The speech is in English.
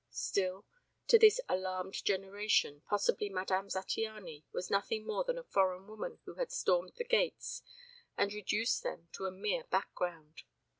Still to this alarmed generation possibly Madame Zattiany was nothing more than a foreign woman who had stormed the gates and reduced them to a mere background.